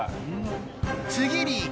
次に。